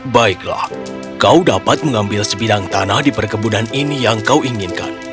baiklah kau dapat mengambil sebidang tanah di perkebunan ini yang kau inginkan